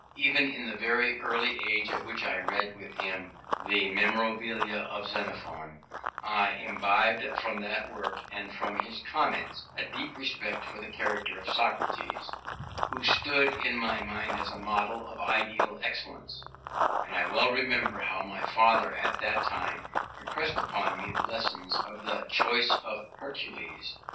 Even at the very early age at which I read with him the Memorabilia of Xenophon, I imbibed from that work and from his comments a deep respect for the character of Socrates; who stood in my mind as a model of ideal excellence: and I well remember how my father at that time impressed upon me the lesson of the "Choice of Hercules."